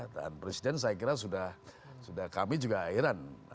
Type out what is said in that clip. dan presiden saya kira sudah kami juga heran